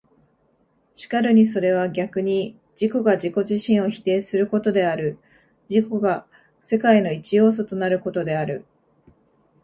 然るにそれは逆に自己が自己自身を否定することである、自己が世界の一要素となることである。